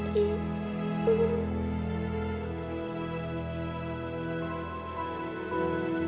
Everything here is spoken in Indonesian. jangan pergi lagi